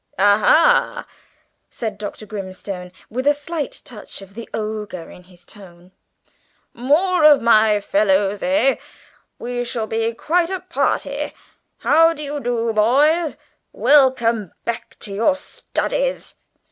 "Aha!" said Dr. Grimstone, with a slight touch of the ogre in his tone, "more of my fellows, eh? We shall be quite a party. How do you do, boys? Welcome back to your studies."